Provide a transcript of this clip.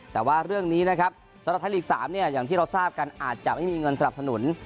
แต่ว่าเรื่องนี้นะครับสำหรับไทยลีก๓เนี่ยอย่างที่เราทราบกันอาจจะไม่มีเงินสนับสนุน